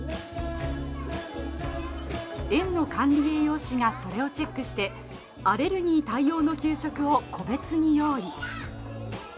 園の管理栄養士がそれをチェックしてアレルギー対応の給食を個別に用意。